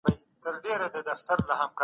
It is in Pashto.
د اتفاق پیغام یې تلپاتی دی